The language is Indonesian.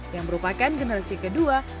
yang merupakan generasi kedua